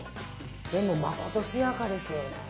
でもまことしやかですよね。